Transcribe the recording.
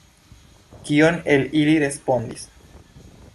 Kiom el ili respondis?